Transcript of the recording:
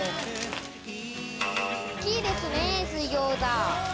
大きいですね水餃子。